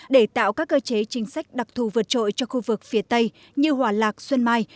để tạo các cơ chế chính sách đặc thù vượt trội cho khu vực phía tây như hòa lạc xuân mai